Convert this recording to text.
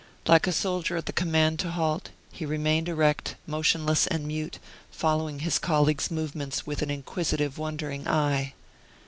Like a soldier at the command to halt, he remained erect, motionless, and mute, following his colleague's movements with an inquisitive, wondering eye.